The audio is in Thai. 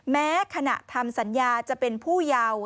แม้ขณะทำสัญญาจะเป็นผู้เยาว์